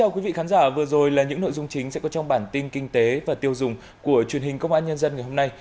chào mừng quý vị đến với bản tin kinh tế và tiêu dùng của truyền hình công an nhân dân ngày hôm nay